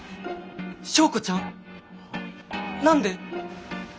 昭子ちゃん？何で。